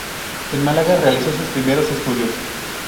En Málaga realizó sus primeros estudios.